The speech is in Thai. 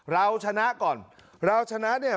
เราชนะก่อนเราชนะเนี่ย